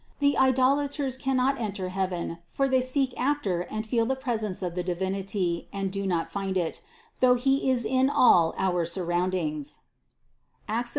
"The idolaters" cannot enter heaven for they seek after and feel the presence of the Divinity and do not find it, though He is in all our surround ings (Act 17, 27).